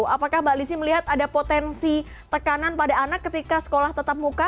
apakah mbak lizzie melihat ada potensi tekanan pada anak ketika sekolah tetap muka